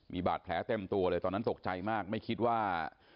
มีบาดแผลเต็มตัวเลยตอนนั้นตกใจมากไม่คิดว่า